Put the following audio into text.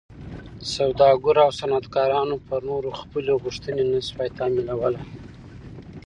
سوداګرو او صنعتکارانو پر نورو خپلې غوښتنې نه شوای تحمیلولی.